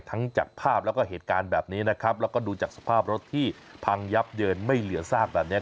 จากภาพแล้วก็เหตุการณ์แบบนี้นะครับแล้วก็ดูจากสภาพรถที่พังยับเยินไม่เหลือซากแบบนี้